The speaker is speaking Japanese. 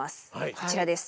こちらです。